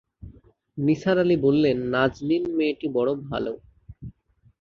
নিসার আলি বললেন, নাজনীন মেয়েটি বড় ভালো।